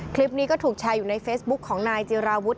คลิปนี้ก็ถูกแชร์อยู่ในเฟซบุ๊คของนายจิราวุฒิ